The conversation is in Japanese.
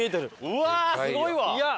うわーすごいわ！